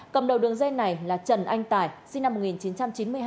cầm đầu đường dây này là trần anh tài sinh năm một nghìn chín trăm chín mươi hai